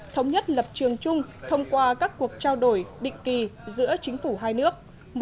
thống nhất lập trường chung thông qua các cuộc trao đổi định kỳ giữa chính phủ hai nước